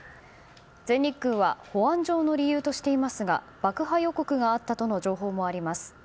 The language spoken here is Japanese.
全日空は保安上の理由としていますが爆破予告があったとの情報もあります。